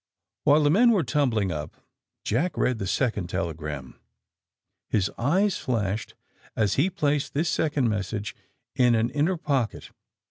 While the men were tumbling up Jack read the second telegram. His eyes flashed as he placed this second message in an inner pocket.